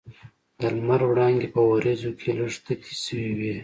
د لمر وړانګې په وریځو کې لږ تتې شوې وې.